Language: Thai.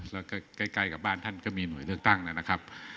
แล้วก็ใกล้กับบ้านท่านก็มีหน่วยเลือกตั้งนะครับ